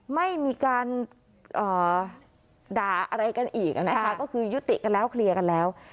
ไม่มีการด่าอะไรกันอีกนะคะก็คือยุติกันแล้วเคลียร์กันแล้ว